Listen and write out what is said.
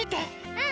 うん！